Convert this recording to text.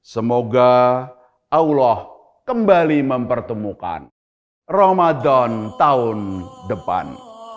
semoga allah kembali mempertemukan ramadan tahun depan